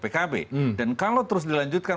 pkb dan kalau terus dilanjutkan